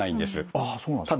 ああそうなんですか。